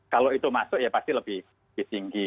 kalau itu masuk ya pasti lebih tinggi